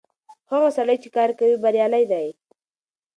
هغه سړی چې کار کوي بريالی دی.